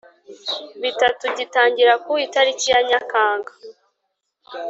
Bitatu gitangira ku itariki ya nyakanga